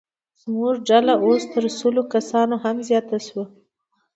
زموږ ډله اوس تر سلو کسانو هم زیاته شوه.